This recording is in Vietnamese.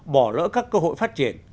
bỏ lỡ các cơ hội phát triển